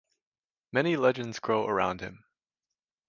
Many legends grow around him.